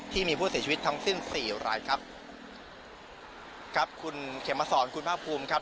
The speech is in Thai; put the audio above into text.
ที่มีผู้เสียชีวิตทั้งสิ้นสี่รายครับครับคุณเขมสอนคุณภาคภูมิครับ